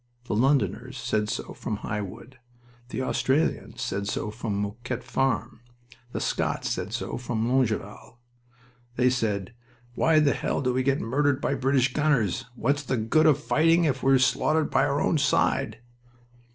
The Londoners said so from High Wood. The Australians said so from Mouquet Farm. The Scots said so from Longueval! They said: "Why the hell do we get murdered by British gunners? What's the good of fighting if we're slaughtered by our own side?"